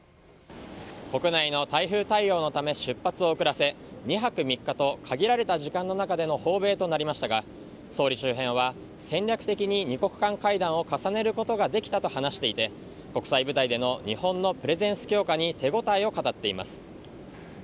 国内の台風対応のため出発を遅らせ２泊３日と限られた時間の中での訪米となりましたが総理周辺は、戦略的に２国間会談を固めることができたと話していて国際舞台での日本のプレゼンス強化に手応えを語っています。